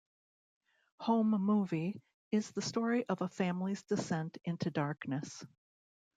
"Home Movie", is the story of a family's descent into darkness.